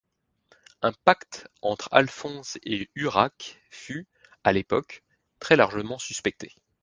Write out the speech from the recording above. Un pacte entre Alphonse et Urraque fut, à l'époque, très largement suspecté.